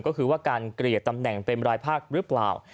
ก็คือว่าการเกลี่ยตำแหน่งเป็นรายภาคหรือเปล่า